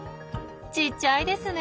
ちっちゃいですね。